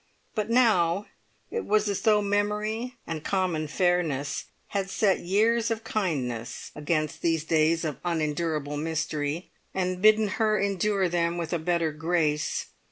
But now it was as though memory and common fairness had set years of kindness against these days of unendurable mystery, and bidden her endure them with a better grace.